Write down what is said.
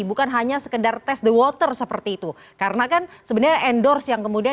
bukan hanya sekedar test the water seperti itu karena kan sebenarnya endorse yang kemudian